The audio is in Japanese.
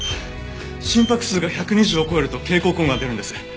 心拍数が１２０を超えると警告音が出るんです。